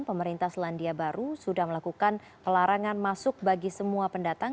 pemerintah selandia baru sudah melakukan pelarangan masuk bagi semua pendatang